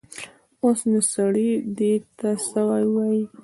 اوس نو سړی ده ته څه ووايي.